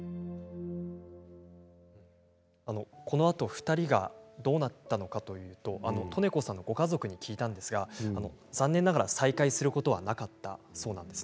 このあと２人がどうなったのかというと利根子さんのご家族に聞いたんですが残念ながら再会することはなかったそうなんです。